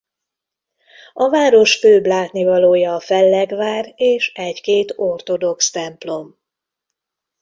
A város főbb látnivalója a fellegvár és egy-két ortodox templom.